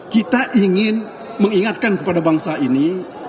kita ingin mengingatkan kepada bangsa ini